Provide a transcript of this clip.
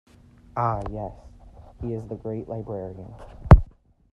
Ah, yes; he is the great librarian.